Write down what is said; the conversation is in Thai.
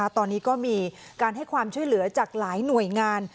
ตอนนี้ก็มีการให้ความช่วยเหลือจากหลายหน่วยงาน